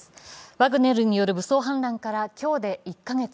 ワグネルによる武装反乱から今日で１か月。